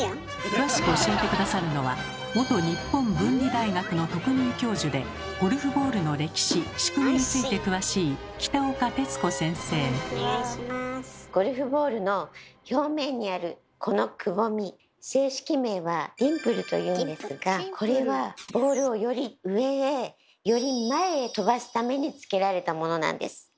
詳しく教えて下さるのは元日本文理大学の特任教授でゴルフボールの歴史仕組みについて詳しいゴルフボールの表面にあるこのくぼみ正式名は「ディンプル」というんですがこれはボールをより上へより前へ飛ばすためにつけられたものなんです。